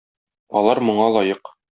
Алар моңа лаек.